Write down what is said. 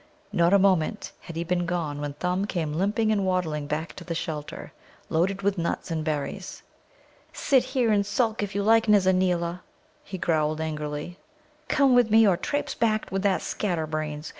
Not a moment had he been gone when Thumb came limping and waddling back to the shelter, loaded with nuts and berries. "Sit here and sulk, if you like, Nizza neela," he growled angrily. "Come with me, or traipse back with that scatterbrains.